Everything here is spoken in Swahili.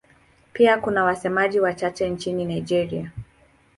Pia kuna wasemaji wachache nchini Nigeria.